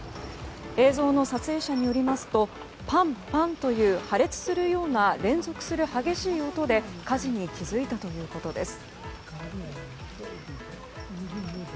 映像の撮影者によりますとパンパンと破裂するような連続する激しい音で火事に気付いたということです。